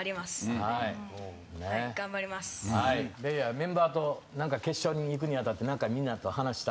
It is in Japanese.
メンバーと決勝にいくに当たって何かみんなと話した？